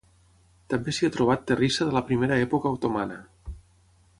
També s'hi ha trobat terrissa de la primera època otomana.